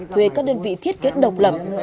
thuê các đơn vị thiết kế độc lập